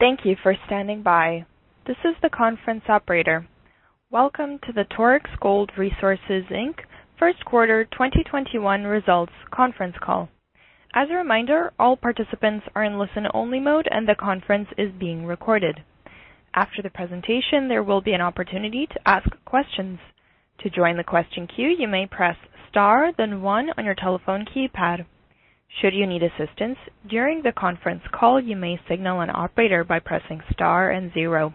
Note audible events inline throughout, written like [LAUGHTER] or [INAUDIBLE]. Thank you for standing by. This is the conference operator. Welcome to the Torex Gold Resources Inc. first quarter 2021 results conference call. As a reminder, all participants are in listen-only mode and the conference is being recorded. After the presentation, there will be an opportunity to ask questions. To join the question queue, you may press star then one on your telephone keypad. Should you need assistance during the conference call, you may signal an operator by pressing star and zero.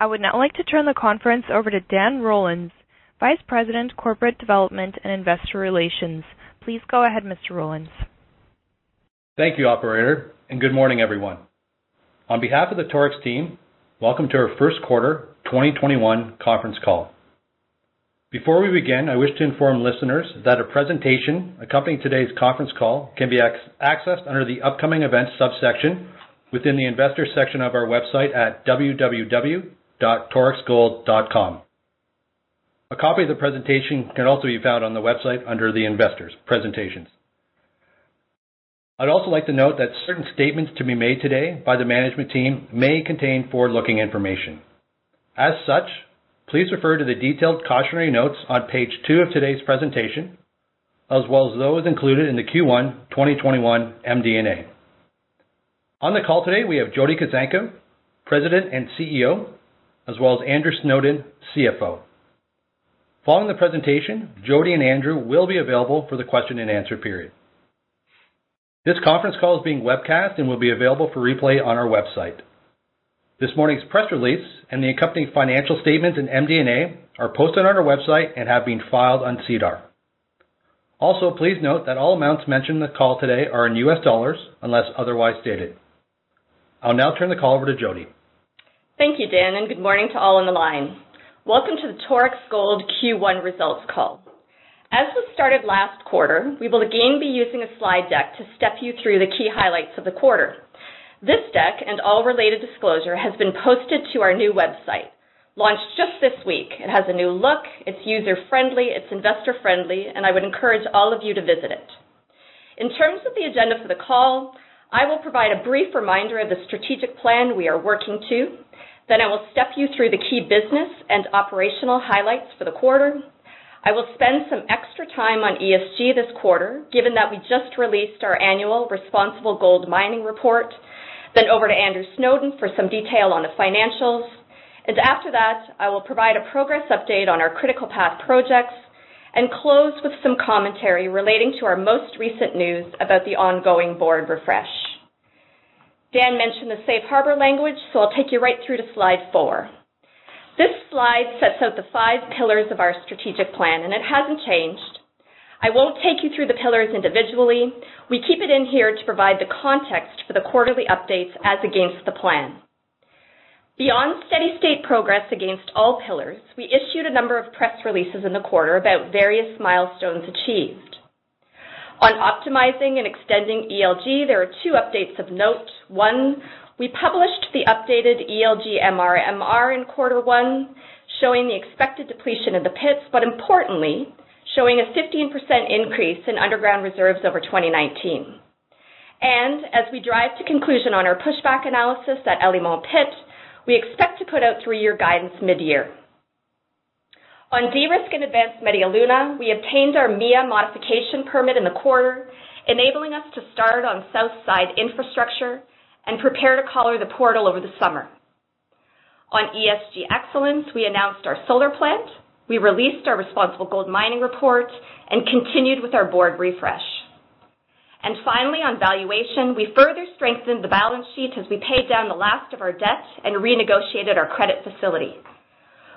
I would now like to turn the conference over to Dan Rollins, Vice President, Corporate Development and Investor Relations. Please go ahead, Mr. Rollins. Thank you, operator, and good morning, everyone. On behalf of the Torex team, welcome to our first quarter 2021 conference call. Before we begin, I wish to inform listeners that a presentation accompanying today's conference call can be accessed under the Upcoming Events subsection within the Investors section of our website at www.torexgold.com. A copy of the presentation can also be found on the website under the Investors, Presentations. I'd also like to note that certain statements to be made today by the management team may contain forward-looking information. As such, please refer to the detailed cautionary notes on page two of today's presentation, as well as those included in the Q1 2021 MD&A. On the call today, we have Jody Kuzenko, President and CEO, as well as Andrew Snowden, CFO. Following the presentation, Jody and Andrew will be available for the question and answer period. This conference call is being webcast and will be available for replay on our website. This morning's press release and the accompanying financial statements and MD&A are posted on our website and have been filed on SEDAR. Also, please note that all amounts mentioned in the call today are in US dollars, unless otherwise stated. I'll now turn the call over to Jody. Thank you, Dan, and good morning to all on the line. Welcome to the Torex Gold Q1 results call. As was started last quarter, we will again be using a slide deck to step you through the key highlights of the quarter. This deck and all related disclosure has been posted to our new website, launched just this week. It has a new look, it's user-friendly, it's investor-friendly, and I would encourage all of you to visit it. In terms of the agenda for the call, I will provide a brief reminder of the strategic plan we are working to, then I will step you through the key business and operational highlights for the quarter. I will spend some extra time on ESG this quarter, given that we just released our annual Responsible Gold Mining Report. Over to Andrew Snowden for some detail on the financials, and after that, I will provide a progress update on our critical path projects and close with some commentary relating to our most recent news about the ongoing board refresh. Dan mentioned the safe harbor language, so I'll take you right through to slide four. This slide sets out the five pillars of our strategic plan, and it hasn't changed. I won't take you through the pillars individually. We keep it in here to provide the context for the quarterly updates as against the plan. Beyond steady-state progress against all pillars, we issued a number of press releases in the quarter about various milestones achieved. On optimizing and extending ELG, there are two updates of note. One, we published the updated ELG MR&MR in quarter one, showing the expected depletion of the pits, but importantly, showing a 15% increase in underground reserves over 2019. As we drive to conclusion on our pushback analysis at El Limón pit, we expect to put out three-year guidance mid-year. On de-risk and advance Media Luna, we obtained our MIA Modification permit in the quarter, enabling us to start on south side infrastructure and prepare to collar the portal over the summer. On ESG excellence, we announced our solar plant, we released our Responsible Gold Mining Report, and continued with our board refresh. Finally, on valuation, we further strengthened the balance sheet as we paid down the last of our debt and renegotiated our credit facility.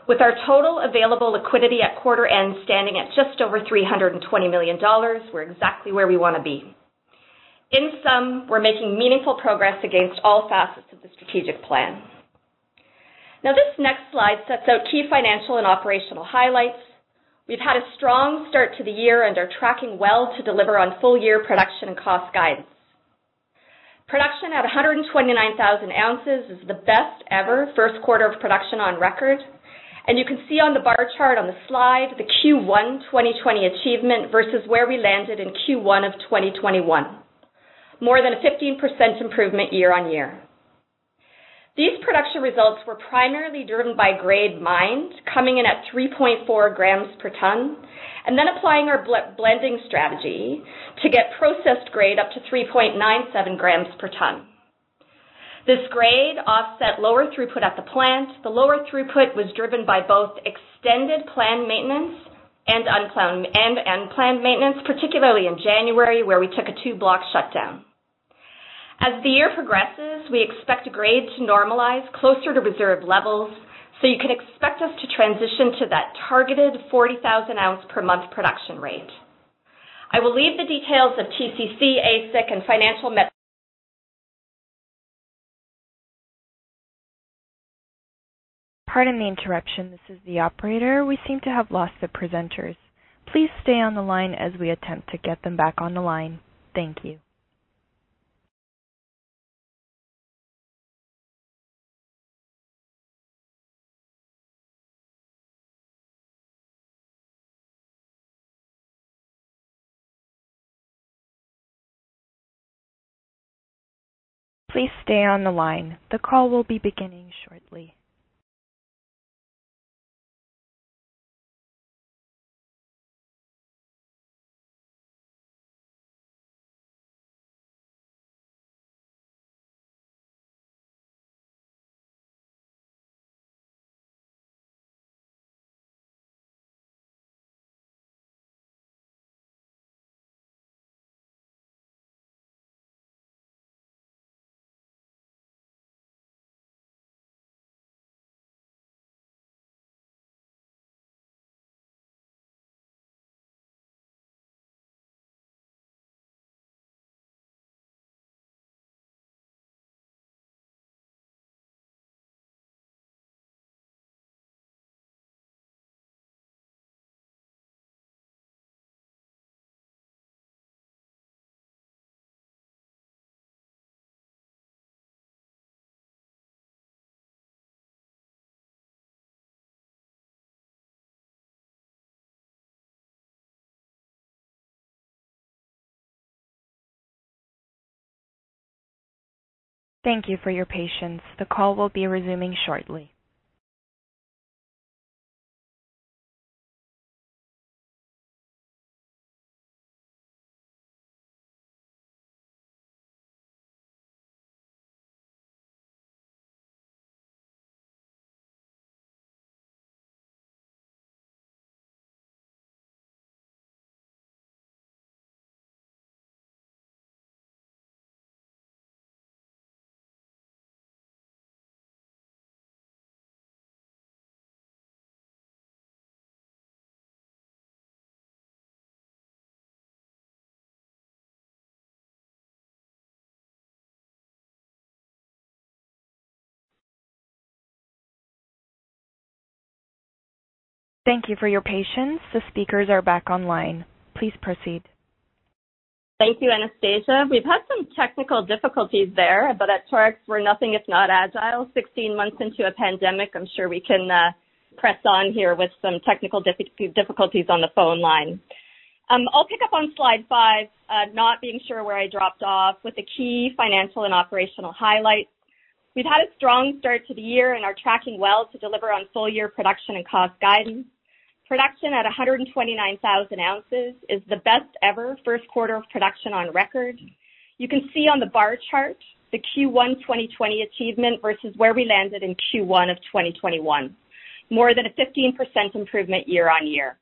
With our total available liquidity at quarter end standing at just over $320 million, we're exactly where we want to be. In sum, we're making meaningful progress against all facets of the strategic plan. This next slide sets out key financial and operational highlights. We've had a strong start to the year and are tracking well to deliver on full-year production and cost guidance. Production at 129,000 oz is the best ever first quarter of production on record, and you can see on the bar chart on the slide the Q1 2020 achievement versus where we landed in Q1 of 2021. More than a 15% improvement year on year. These production results were primarily driven by grade mined, coming in at 3.4 g per ton, and then applying our blending strategy to get processed grade up to 3.97 g per ton. This grade offset lower throughput at the plant. The lower throughput was driven by both extended planned maintenance and unplanned maintenance, particularly in January, where we took a two-block shutdown. As the year progresses, we expect grade to normalize closer to reserve levels, so you can expect us to transition to that targeted 40,000 ounce per month production rate. I will leave the details of TCC, AISC, and financial. Pardon the interruption, this is the operator. We seem to have lost the presenters. Please stay on the line as we attempt to get them back on the line. Thank you. Please stay on the line. The call will be beginning shortly. Thank you for your patience. The call will be resuming shortly. Thank you for your patience. The speakers are back online. Please proceed. Thank you, Anastasia. We've had some technical difficulties there, but at Torex, we're nothing if not agile. 16 months into a pandemic, I'm sure we can press on here with some technical difficulties on the phone line. I'll pick up on slide five, not being sure where I dropped off with the key financial and operational highlights. We've had a strong start to the year and are tracking well to deliver on full-year production and cost guidance. Production at 129,000 oz is the best ever first quarter of production on record. You can see on the bar chart the Q1 2020 achievement versus where we landed in Q1 of 2021. More than a 15% improvement year on year.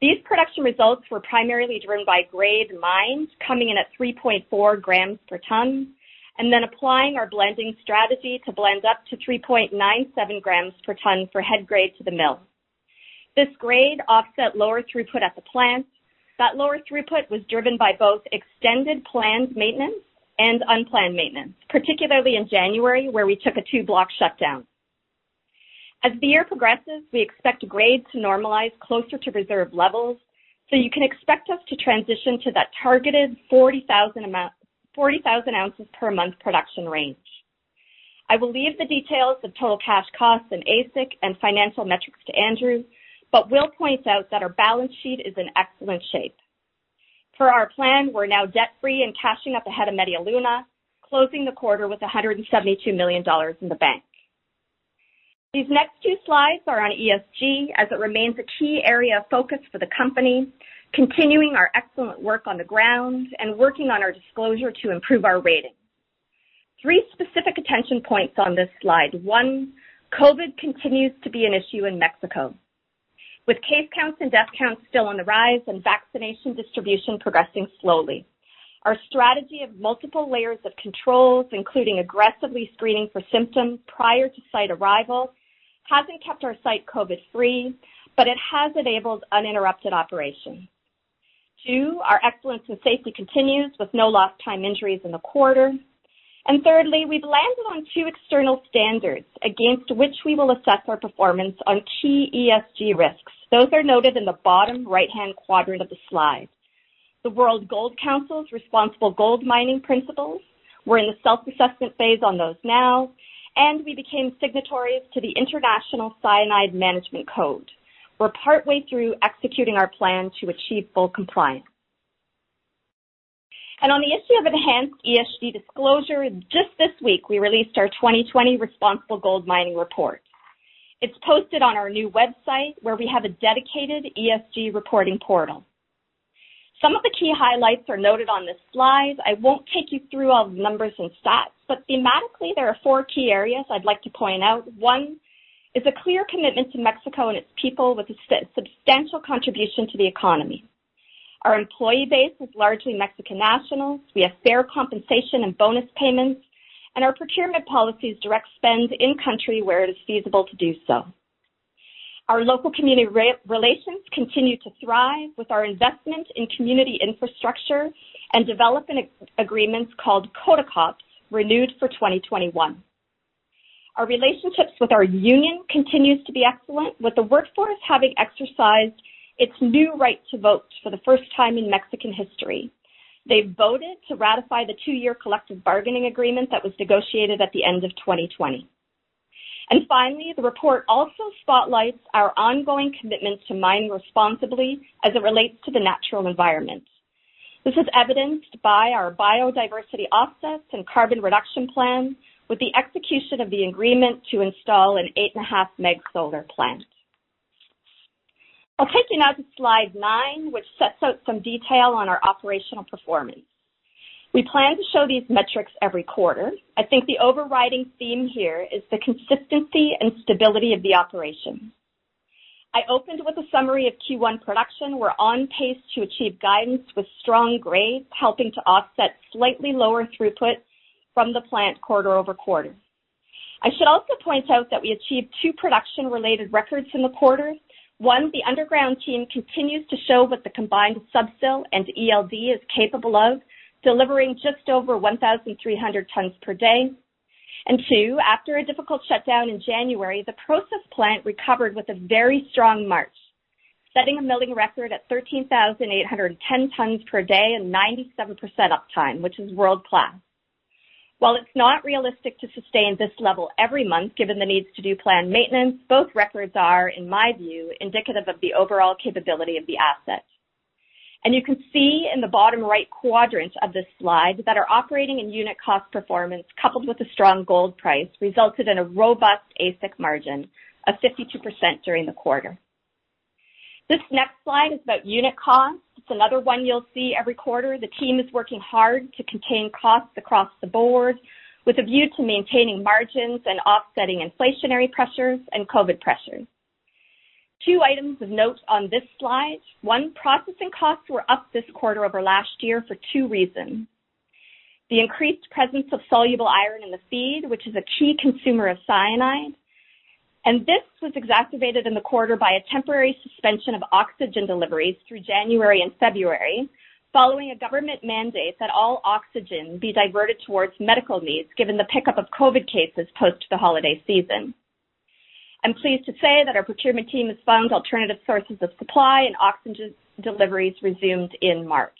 These production results were primarily driven by grade mined coming in at 3.4 g per ton, and then applying our blending strategy to blend up to 3.97 g per ton for head grade to the mill. This grade offset lower throughput at the plant. That lower throughput was driven by both extended planned maintenance and unplanned maintenance, particularly in January, where we took a two-block shutdown. As the year progresses, we expect grade to normalize closer to reserve levels, so you can expect us to transition to that targeted 40,000 oz per month production range. I will leave the details of total cash costs and AISC and financial metrics to Andrew, but will point out that our balance sheet is in excellent shape. Per our plan, we're now debt-free and cashing up ahead of Media Luna, closing the quarter with $172 million in the bank. These next two slides are on ESG, as it remains a key area of focus for the company, continuing our excellent work on the ground and working on our disclosure to improve our rating. Three specific attention points on this slide. One, COVID continues to be an issue in Mexico, with case counts and death counts still on the rise and vaccination distribution progressing slowly. Our strategy of multiple layers of controls, including aggressively screening for symptoms prior to site arrival, hasn't kept our site COVID-free, but it has enabled uninterrupted operation. Two, our excellence in safety continues, with no lost time injuries in the quarter and thirdly, we've landed on two external standards against which we will assess our performance on key ESG risks. Those are noted in the bottom right-hand quadrant of the slide. The World Gold Council's Responsible Gold Mining Principles. We're in the self-assessment phase on those now, and we became signatories to the International Cyanide Management Code. We're partway through executing our plan to achieve full compliance. On the issue of enhanced ESG disclosure, just this week, we released our 2020 Responsible Gold Mining Report. It's posted on our new website, where we have a dedicated ESG reporting portal. Some of the key highlights are noted on this slide. I won't take you through all the numbers and stats, but thematically, there are four key areas I'd like to point out. One is a clear commitment to Mexico and its people, with a substantial contribution to the economy. Our employee base is largely Mexican nationals. We have fair compensation and bonus payments, and our procurement policies direct spend in-country where it is feasible to do so. Our local community relations continue to thrive with our investment in community infrastructure and development agreements called CODECOPs, renewed for 2021. Our relationships with our union continues to be excellent, with the workforce having exercised its new right to vote for the first time in Mexican history. They voted to ratify the two-year collective bargaining agreement that was negotiated at the end of 2020. Finally, the report also spotlights our ongoing commitment to mine responsibly as it relates to the natural environment. This is evidenced by our biodiversity offsets and carbon reduction plan with the execution of the agreement to install an 8.5 MW solar plant. I'll take you now to slide nine, which sets out some detail on our operational performance. We plan to show these metrics every quarter. I think the overriding theme here is the consistency and stability of the operation. I opened with a summary of Q1 production. We're on pace to achieve guidance with strong grades helping to offset slightly lower throughput from the plant quarter-over-quarter. I should also point out that we achieved two production-related records in the quarter. One, the underground team continues to show what the combined sub-sill and ELD is capable of, delivering just over 1,300 tons per day. Two, after a difficult shutdown in January, the process plant recovered with a very strong March, setting a milling record at 13,810 tons per day and 97% uptime, which is world-class. While it's not realistic to sustain this level every month, given the needs to do planned maintenance, both records are, in my view, indicative of the overall capability of the asset. You can see in the bottom right quadrant of this slide that our operating and unit cost performance, coupled with a strong gold price, resulted in a robust AISC margin of 52% during the quarter. This next slide is about unit costs. It's another one you'll see every quarter. The team is working hard to contain costs across the board with a view to maintaining margins and offsetting inflationary pressures and COVID pressures. Two items of note on this slide. One, processing costs were up this quarter over last year for two reasons. The increased presence of soluble iron in the feed, which is a key consumer of cyanide, and this was exacerbated in the quarter by a temporary suspension of oxygen deliveries through January and February following a government mandate that all oxygen be diverted towards medical needs given the pickup of COVID cases post the holiday season. I am pleased to say that our procurement team has found alternative sources of supply and oxygen deliveries resumed in March.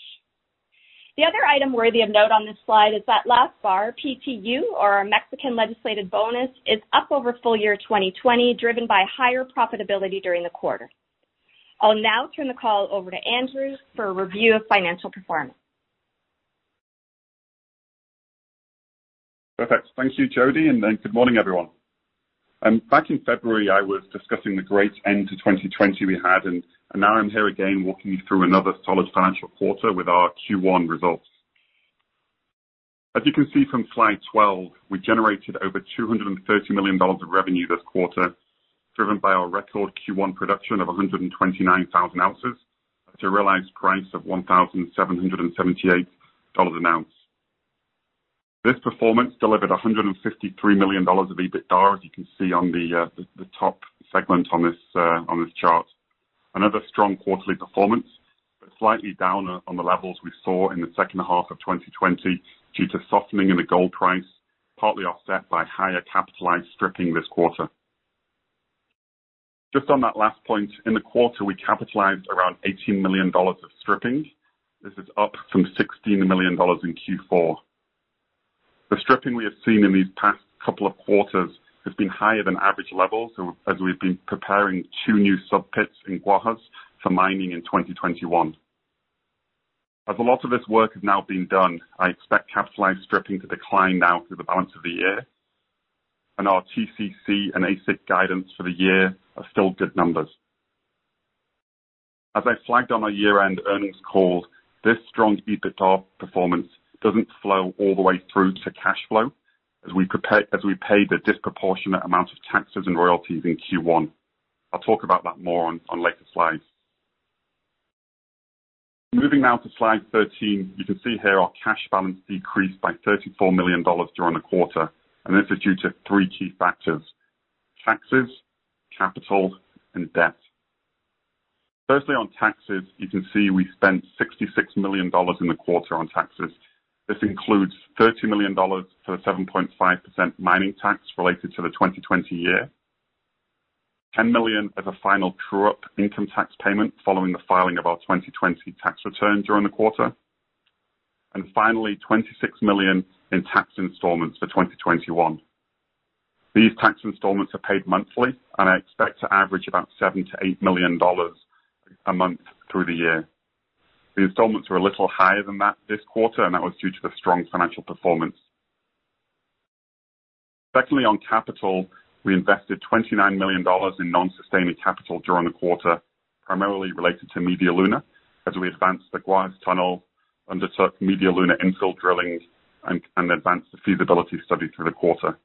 The other item worthy of note on this slide is that last bar, PTU, or our Mexican legislative bonus, is up over full year 2020, driven by higher profitability during the quarter. I will now turn the call over to Andrew for a review of financial performance. Perfect. Thank you, Jody and then good morning, everyone. Back in February, I was discussing the great end to 2020 we had, and now I'm here again walking you through another solid financial quarter with our Q1 results. As you can see from slide 12, we generated over $230 million of revenue this quarter, driven by our record Q1 production of 129,000 oz at a realized price of $1,778 an ounce. This performance delivered $153 million of EBITDA, as you can see on the top segment on this chart. Another strong quarterly performance, slightly down on the levels we saw in the second half of 2020 due to softening in the gold price, partly offset by higher capitalized stripping this quarter. Just on that last point, in the quarter, we capitalized around $18 million of stripping. This is up from $16 million in Q4. The stripping we have seen in these past couple of quarters has been higher than average levels as we've been preparing two new sub-pits in Guajes for mining in 2021. A lot of this work has now been done, I expect capitalized stripping to decline now through the balance of the year and our TCC and AISC guidance for the year are still good numbers. I flagged on our year-end earnings call, this strong EBITDA performance doesn't flow all the way through to cash flow as we paid the disproportionate amount of taxes and royalties in Q1. I'll talk about that more on later slides. Moving now to slide 13 you can see here our cash balance decreased by $34 million during the quarter. This is due to three key factors, taxes, capital, and debt. Firstly, on taxes, you can see we spent $66 million in the quarter on taxes. This includes $30 million for the 7.5% mining tax related to the 2020 year, $10 million as a final true-up income tax payment following the filing of our 2020 tax return during the quarter and finally, $26 million in tax installments for 2021. These tax installments are paid monthly and are expected to average about $7 million-$8 million a month through the year. The installments were a little higher than that this quarter. That was due to the strong financial performance. Secondly, on capital, we invested $29 million in non-sustaining capital during the quarter, primarily related to Media Luna as we advanced the Guajes Tunnel, undertook Media Luna infill drilling, and advanced the feasibility study through the quarter.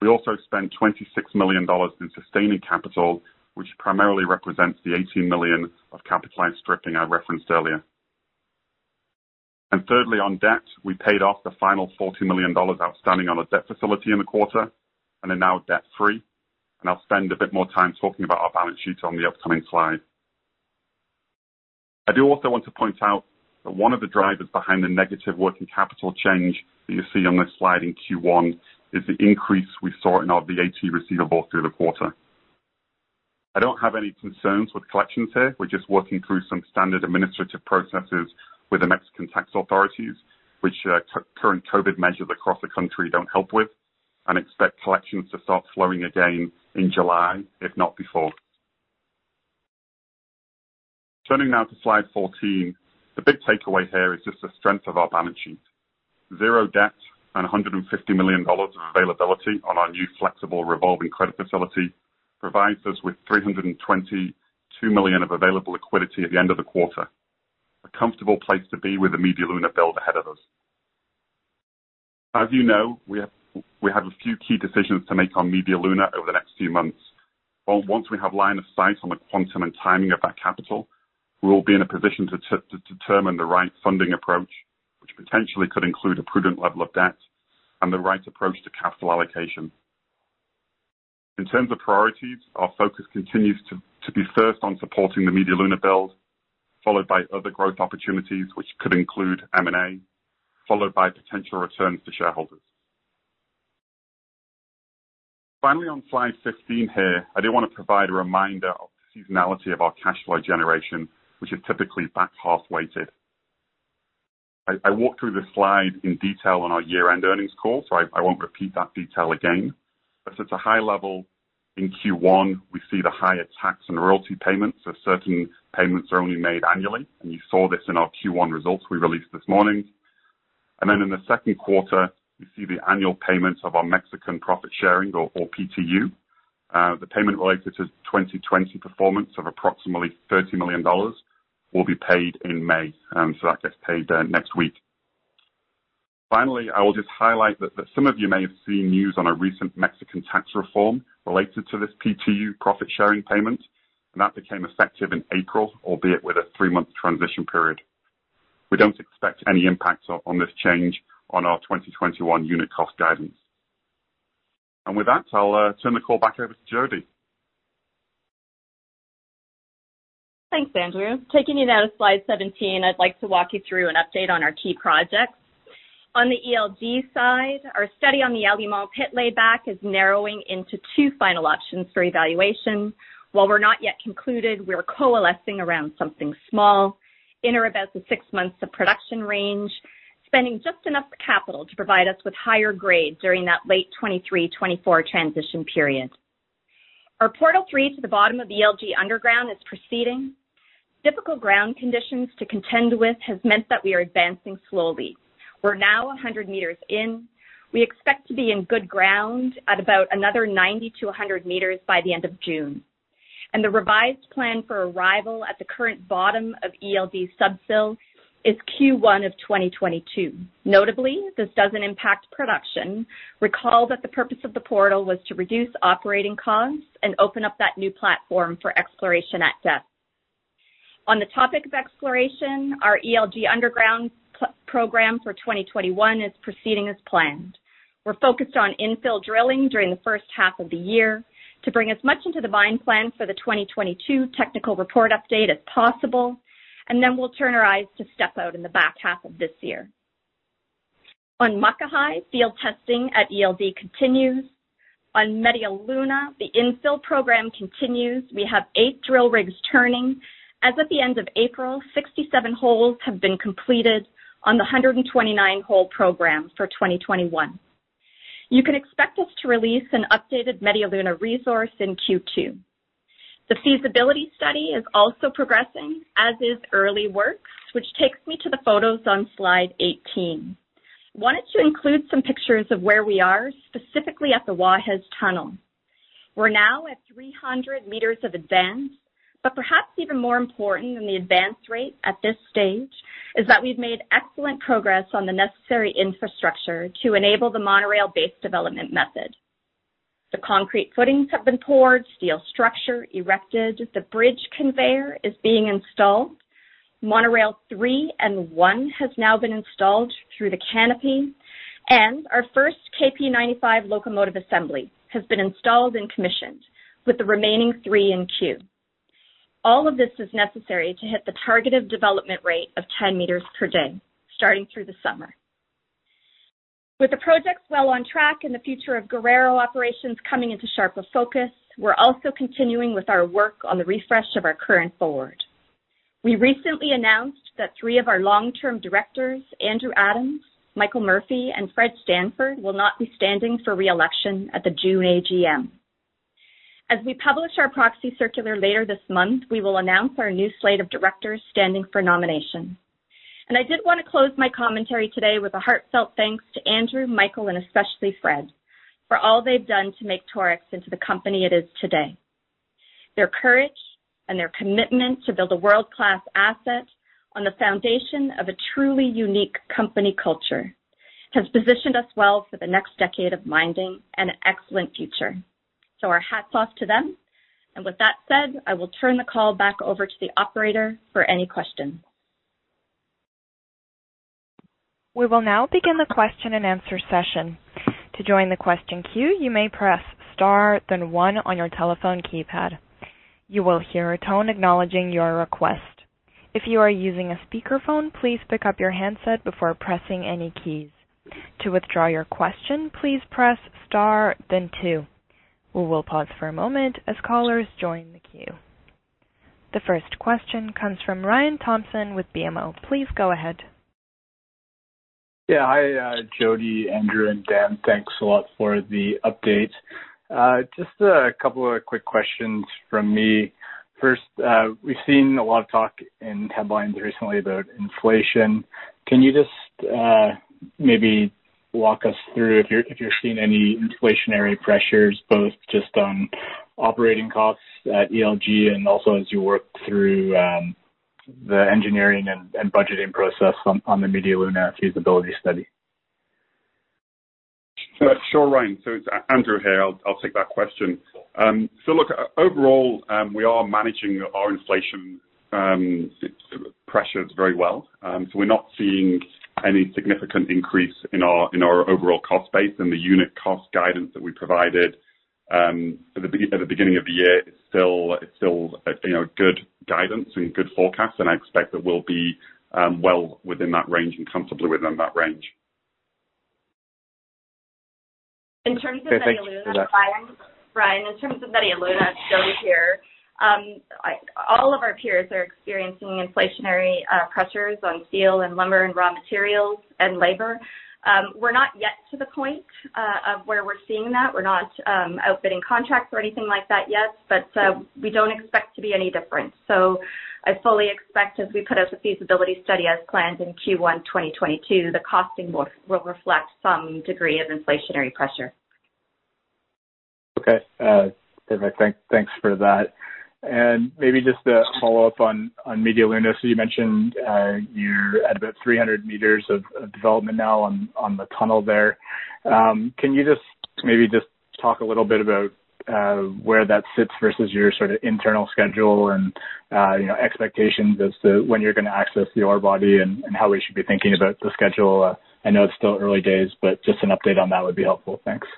We also spent $26 million in sustaining capital, which primarily represents the $18 million of capitalized stripping I referenced earlier. Thirdly, on debt, we paid off the final $40 million outstanding on a debt facility in the quarter and are now debt-free. I'll spend a bit more time talking about our balance sheet on the upcoming slide. I do also want to point out that one of the drivers behind the negative working capital change that you see on this slide in Q1 is the increase we saw in our VAT receivable through the quarter. I don't have any concerns with collections here. We're just working through some standard administrative processes with the Mexican tax authorities, which current COVID measures across the country don't help with, and expect collections to start flowing again in July, if not before. Turning now to slide 14, the big takeaway here is just the strength of our balance sheet. Zero debt and $150 million of availability on our new flexible revolving credit facility provides us with $322 million of available liquidity at the end of the quarter. A comfortable place to be with the Media Luna build ahead of us. As you know, we have a few key decisions to make on Media Luna over the next few months. Once we have line of sight on the quantum and timing of that capital, we will be in a position to determine the right funding approach, which potentially could include a prudent level of debt and the right approach to capital allocation. In terms of priorities, our focus continues to be first on supporting the Media Luna build, followed by other growth opportunities, which could include M&A, followed by potential returns to shareholders. Finally, on slide 15 here, I did want to provide a reminder of the seasonality of our cash flow generation, which is typically back-half weighted. I walked through this slide in detail on our year-end earnings call, so I won't repeat that detail again. At a high level, in Q1, we see the higher tax and royalty payments, so certain payments are only made annually, and you saw this in our Q1 results we released this morning. In the second quarter, you see the annual payments of our Mexican profit sharing or PTU. The payment related to 2020 performance of approximately $30 million will be paid in May. That gets paid next week. Finally, I will just highlight that some of you may have seen news on a recent Mexican tax reform related to this PTU profit-sharing payment, and that became effective in April, albeit with a three-month transition period. We don't expect any impact on this change on our 2021 unit cost guidance. With that, I'll turn the call back over to Jody. Thanks, Andrew. Taking you now to slide 17, I'd like to walk you through an update on our key projects. On the ELG side, our study on the El Limón pit layback is narrowing into two final options for evaluation. While we're not yet concluded, we're coalescing around something small, in or about the six months of production range, spending just enough capital to provide us with higher grades during that late 2023, 2024 transition period. Our portal three to the bottom of ELG underground is proceeding. Difficult ground conditions to contend with has meant that we are advancing slowly. We're now 100 m in. We expect to be in good ground at about another 90 m-100 m by the end of June. The revised plan for arrival at the current bottom of ELG sub-sill is Q1 of 2022. Notably, this doesn't impact production. Recall that the purpose of the portal was to reduce operating costs and open up that new platform for exploration at depth. On the topic of exploration, our ELG underground program for 2021 is proceeding as planned. We're focused on infill drilling during the first half of the year to bring as much into the mine plan for the 2022 technical report update as possible. We'll turn our eyes to step out in the back half of this year. On Muckahi, field testing at ELD continues. On Media Luna, the infill program continues. We have eight drill rigs turning. As at the end of April, 67 holes have been completed on the 129-hole program for 2021. You can expect us to release an updated Media Luna resource in Q2. The feasibility study is also progressing, as is early works, which takes me to the photos on slide 18. Wanted to include some pictures of where we are, specifically at the Guajes Tunnel. We're now at 300 meters of advance, but perhaps even more important than the advance rate at this stage is that we've made excellent progress on the necessary infrastructure to enable the monorail-based development method. The concrete footings have been poured, steel structure erected, the bridge conveyor is being installed. Monorail three and one has now been installed through the canopy, and our first KP-95 locomotive assembly has been installed and commissioned, with the remaining three in queue. All of this is necessary to hit the target of development rate of 10 m per day, starting through the summer. With the project well on track and the future of Guerrero operations coming into sharper focus, we're also continuing with our work on the refresh of our current board. We recently announced that three of our long-term directors, Andrew Adams, Michael Murphy, and Fred Stanford, will not be standing for re-election at the June AGM. We publish our proxy circular later this month, we will announce our new slate of directors standing for nomination. I did want to close my commentary today with a heartfelt thanks to Andrew, Michael, and especially Fred for all they've done to make Torex into the company it is today. Their courage and their commitment to build a world-class asset on the foundation of a truly unique company culture has positioned us well for the next decade of mining and an excellent future. Our hats off to them. With that said, I will turn the call back over to the operator for any questions. We will now begin the question and answer session. To join the question queue you may press star then one on your telephone keypad. You will hear a tone acknowledging your request. If you are using a speaker phone please pick up your headset before pressing any key. To withdraw your question please press star then two. We will hold for a moment as callers join the queue. The first question comes from Ryan Thompson with BMO. Please go ahead. Yeah. Hi, Jody, Andrew, and Dan. Thanks a lot for the update. Just a couple of quick questions from me. First, we've seen a lot of talk in headlines recently about inflation. Can you just maybe walk us through if you're seeing any inflationary pressures, both just on operating costs at ELG and also as you work through the engineering and budgeting process on the Media Luna feasibility study? Sure, Ryan. It's Andrew here. I'll take that question. Look, overall, we are managing our inflation pressures very well. We're not seeing any significant increase in our overall cost base and the unit cost guidance that we provided at the beginning of the year. It's still good guidance and good forecast, and I expect that we'll be well within that range and comfortably within that range. Okay, thanks for that. Ryan, in terms of Media Luna, Jody here. All of our peers are experiencing inflationary pressures on steel and lumber and raw materials and labor. We're not yet to the point of where we're seeing that. We're not outbidding contracts or anything like that yet, but we don't expect to be any different. I fully expect as we put out the feasibility study as planned in Q1 2022, the costing will reflect some degree of inflationary pressure. Okay. Perfect. Thanks for that. Maybe just a follow-up on Media Luna. You mentioned you're at about 300 m of development now on the tunnel there. Can you just maybe just talk a little bit about where that sits versus your sort of internal schedule and expectations as to when you're going to access the ore body and how we should be thinking about the schedule? I know it's still early days, but just an update on that would be helpful. Thanks.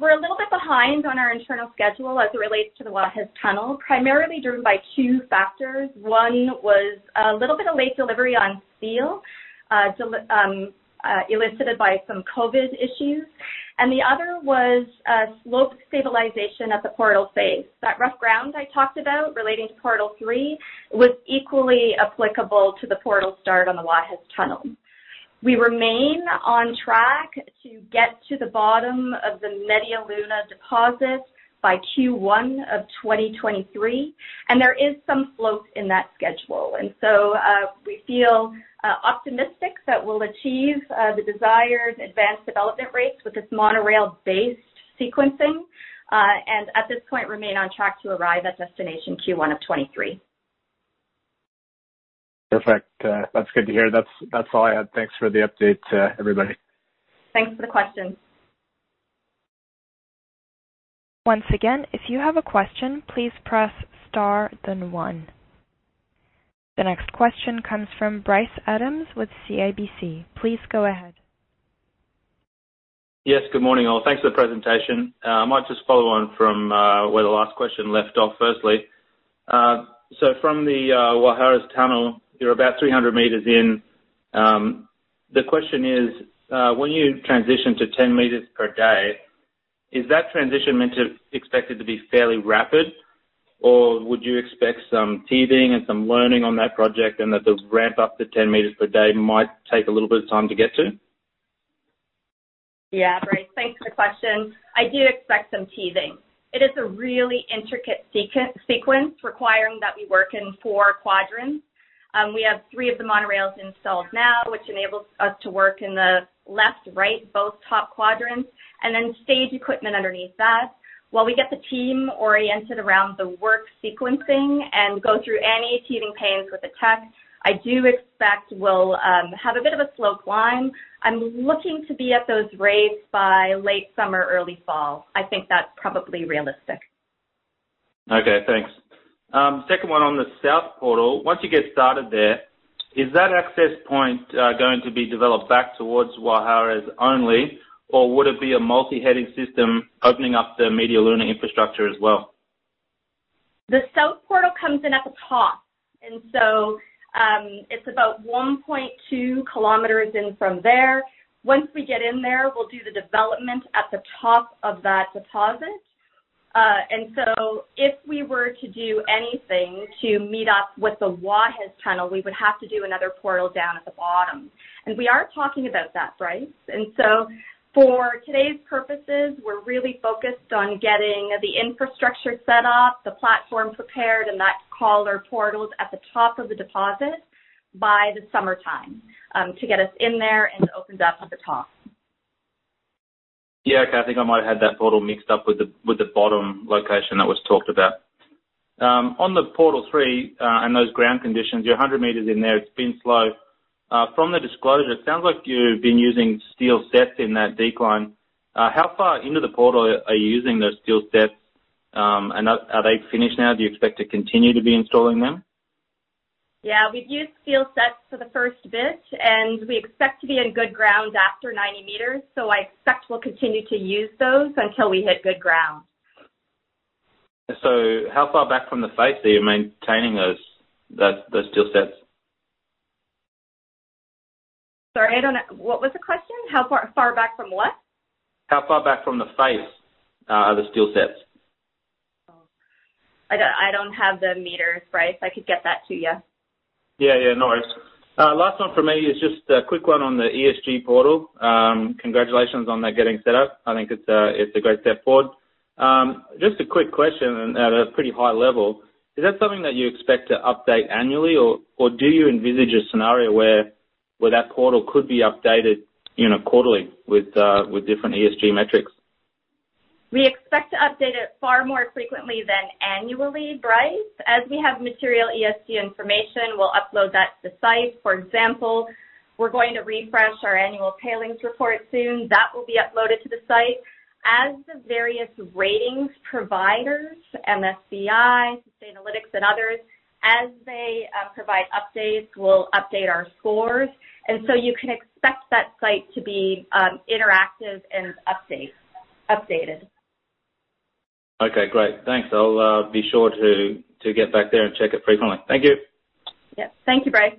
We're a little bit behind on our internal schedule as it relates to the Guajes Tunnel, primarily driven by two factors. One was a little bit of late delivery on steel, elicited by some COVID issues, and the other was slope stabilization at the portal face. That rough ground I talked about relating to portal three was equally applicable to the portal start on the Guajes Tunnel. We remain on track to get to the bottom of the Media Luna deposit by Q1 of 2023, and there is some slope in that schedule. We feel optimistic that we'll achieve the desired advanced development rates with this monorail-based sequencing. At this point, remain on track to arrive at destination Q1 of 2023. Perfect. That is good to hear. That is all I had. Thanks for the update, everybody. Thanks for the question. Once again, if you have a question, please press star then one. The next question comes from Bryce Adams with CIBC. Please go ahead. Yes. Good morning, all. Thanks for the presentation. I might just follow on from where the last question left off, firstly. From the Guajes Tunnel, you're about 300 m in. The question is, when you transition to 10 m per day, is that transition meant to expected to be fairly rapid, or would you expect some teething and some learning on that project and that the ramp up to 10 m per day might take a little bit of time to get to? Bryce. Thanks for the question. I do expect some teething. It is a really intricate sequence requiring that we work in four quadrants. We have three of the monorails installed now, which enables us to work in the left, right, both top quadrants, and then stage equipment underneath that. While we get the team oriented around the work sequencing and go through any teething pains with the tech, I do expect we'll have a bit of a slope line. I'm looking to be at those rates by late summer, early fall. I think that's probably realistic. Okay, thanks. Second one on the south portal. Once you get started there, is that access point going to be developed back towards Guajes only, or would it be a multi-heading system opening up the Media Luna infrastructure as well? The south portal comes in at the top. It's about 1.2 km in from there. Once we get in there, we'll do the development at the top of that deposit. If we were to do anything to meet up with the Guajes Tunnel, we would have to do another portal down at the bottom. We are talking about that, Bryce. For today's purposes, we're really focused on getting the infrastructure set up, the platform prepared, and that collar portals at the top of the deposit by the summertime to get us in there and opened up at the top. Yeah, okay. I think I might have had that portal mixed up with the bottom location that was talked about. On the portal three, and those ground conditions, you're 100 m in there. It's been slow. From the disclosure, it sounds like you've been using steel sets in that decline. How far into the portal are you using those steel sets? Are they finished now? Do you expect to continue to be installing them? Yeah, we've used steel sets for the first bit, and we expect to be in good ground after 90 m. I expect we'll continue to use those until we hit good ground. How far back from the [INAUDIBLE] are you maintaining those steel sets? Sorry, what was the question? How far back from what? How far back from the [INAUDIBLE] are the steel sets? Oh. I don't have the meters, Bryce. I could get that to you. Yeah, no worries. Last one from me is just a quick one on the ESG portal. Congratulations on that getting set up. I think it's a great step forward. Just a quick question at a pretty high level, is that something that you expect to update annually, or do you envisage a scenario where that portal could be updated quarterly with different ESG metrics? We expect to update it far more frequently than annually, Bryce. As we have material ESG information, we'll upload that to site. For example, we're going to refresh our annual tailings report soon. That will be uploaded to the site. As the various ratings providers, MSCI, Sustainalytics, and others, as they provide updates, we'll update our scores. You can expect that site to be interactive and updated. Okay, great. Thanks. I'll be sure to get back there and check it frequently. Thank you. Yeah. Thank you, Bryce.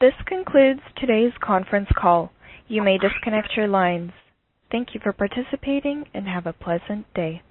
This concludes today's conference call. You may disconnect your lines. Thank you for participating, and have a pleasant day.